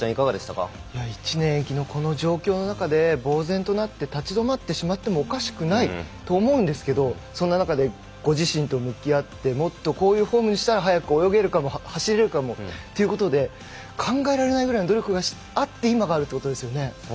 １年延期のこの状況の中でぼう然となって立ちどまってしまってもおかしくないと思うんですけれどそんな中で、ご自身と向き合ってもっとこういうフォームにしたら早く走れるかも泳げるかもということで考えられないぐらいの努力があって今があるということですよね。